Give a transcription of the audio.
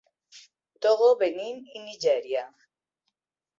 Togo, Benín i Nigèria.